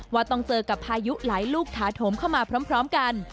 ว่าต้องเจอกับพายุหลายลูกถาโถมเข้ามาพร้อมกัน